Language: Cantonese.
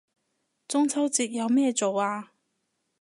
中秋節有咩做啊